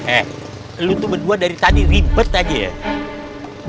eh lu tuh berdua dari tadi ribet aja ya